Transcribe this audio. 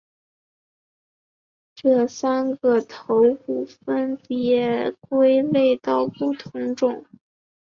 这三个头骨分别归类到不同种。